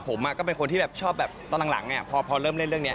ผมก็เป็นคนที่แบบชอบแบบตอนหลังพอเริ่มเล่นเรื่องนี้